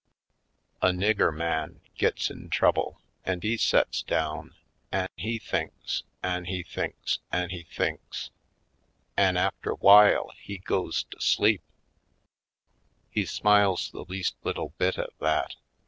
A nigger man gits in trouble an' he sets down an' he thinks an' he thinks an' he thinks — an' after 'w'ile he goes to sleep I" He smiles the least little bit at that.